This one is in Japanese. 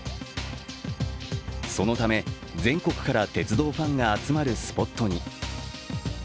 そのため全国から鉄道ファンが集まるスポットに。